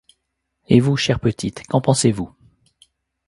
Et vous, chère petite, qu'en pensez-vous ?